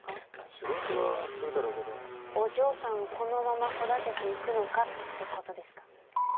仕事はするだろうけどお嬢さんをこのまま育てていくのかってことですか？